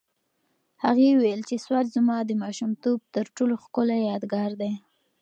هغې وویل چې سوات زما د ماشومتوب تر ټولو ښکلی یادګار دی.